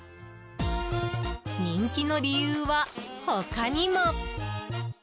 人気の理由は他にも。